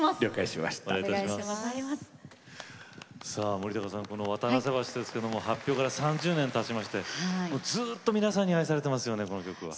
森高さん「渡良瀬橋」ですけれども発表から３０年たちましてずっと皆さんに愛されていますねこの曲。